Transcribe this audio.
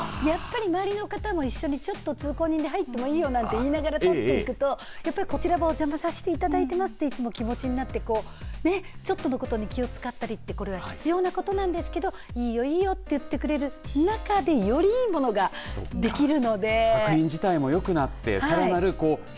周りの方も一緒に通行人が入ってもいいよなと言いながら撮っていくとこちらもお邪魔させていただいてますという気持ちになってちょっとのことに気を使ったりってことが必要なことなんですけどいいよいいよと言ってくれる中でよりいいものができるので。